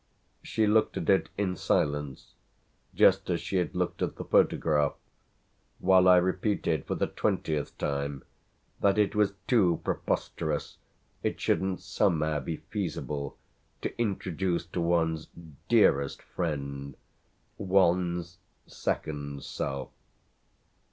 She looked at it in silence, just as she had looked at the photograph, while I repeated for the twentieth time that it was too preposterous it shouldn't somehow be feasible to introduce to one's dearest friend one's second self.